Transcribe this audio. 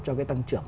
cho cái tăng trưởng